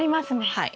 はい。